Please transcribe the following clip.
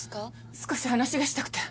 少し話がしたくて。